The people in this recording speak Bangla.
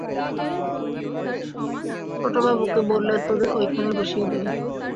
ছোটবাবুকে বললে তোদের ওইখানে বসিয়ে দেবে।